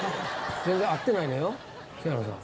全然合ってないのよ清野さん